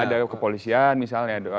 ada kepolisian misalnya atau apa